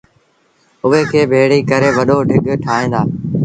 اُئي کي ڀيڙيٚ ڪري وڏو ڍڳ ٺائيٚݩ دآ۔